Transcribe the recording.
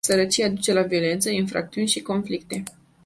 Sărăcia duce la violență, infracțiuni și conflicte.